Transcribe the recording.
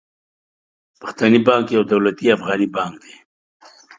پښتني بانک يو دولتي افغاني بانک دي.